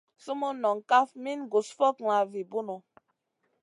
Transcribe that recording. Sumun non kaf min gus fokŋa vi bunu.